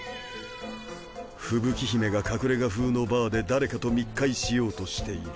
ふぶき姫が隠れ家風のバーで誰かと密会しようとしている。